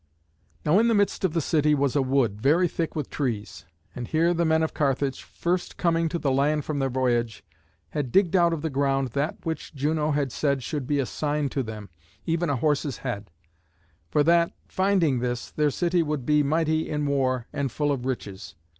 Now in the midst of the city was a wood, very thick with trees, and here the men of Carthage, first coming to the land from their voyage, had digged out of the ground that which Juno had said should be a sign to them, even a horse's head; for that, finding this, their city would be mighty in war, and full of riches.